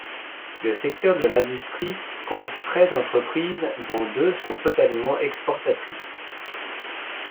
Le secteur de l'industrie compte treize entreprises dont deux sont totalement exportatrices.